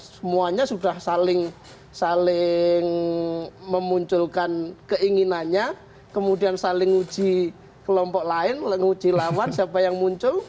semuanya sudah saling memunculkan keinginannya kemudian saling nguji kelompok lain nguji lawan siapa yang muncul